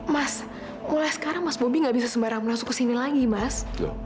mas mulai sekarang mas bobby gak bisa sembarang masuk kesini lagi mas